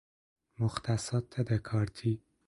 مختصات دکارتی